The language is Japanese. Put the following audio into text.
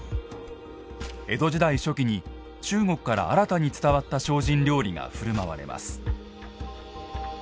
江戸時代初期に中国から新たに伝わった精進料理がふるまわれます。